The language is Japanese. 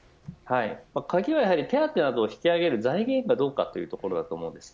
鍵はやはり、手当等を引き上げる財源がどうかというところです。